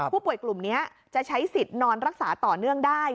ผู้ป่วยกลุ่มนี้จะใช้สิทธิ์นอนรักษาต่อเนื่องได้